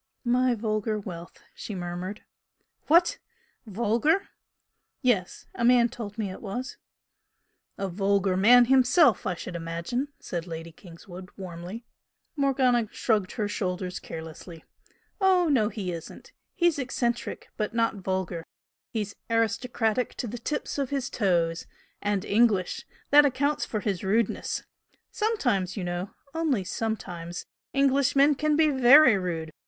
"My vulgar wealth!" she murmured. "What? Vulgar?" "Yes. A man told me it was." "A vulgar man himself, I should imagine!" said Lady Kingswood, warmly. Morgana shrugged her shoulders carelessly. "Oh, no, he isn't. He's eccentric, but not vulgar. He's aristocratic to the tips of his toes and English. That accounts for his rudeness. Sometimes, you know only sometimes Englishmen can be VERY rude!